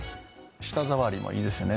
舌触りもいいですよね